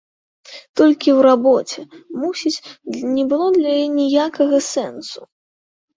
Толькі ў рабоце, мусіць, не было для яе ніякага сэнсу.